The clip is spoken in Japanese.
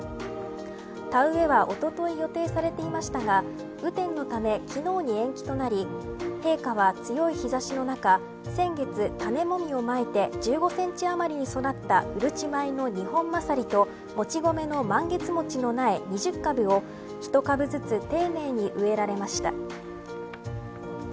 田植えはおととい予定されていましたが雨天のため昨日に延期となり陛下は強い日差しの中先月、種もみをまいて１５センチ余りに育ったうるち米のニホンマサリともち米のマンゲツモチの苗２０株を１株ずつ丁寧に植えられました。